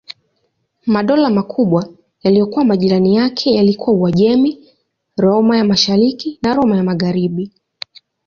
Madola makubwa yaliyokuwa majirani yake yalikuwa Uajemi, Roma ya Mashariki na Roma ya Magharibi.